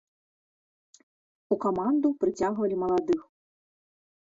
У каманду прыцягвалі маладых.